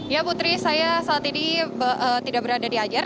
ya putri saya saat ini tidak berada di anyer